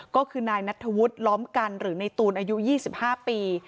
ก็คือนายนัทธวุฒิล้อมกันหรือในตูนอายุ๒๕ปี